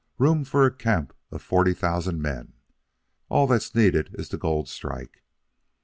"Room for a camp of forty thousand men. All that's needed is the gold strike."